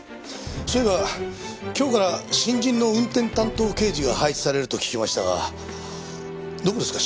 そういえば今日から新人の運転担当刑事が配置されると聞きましたがどこですか？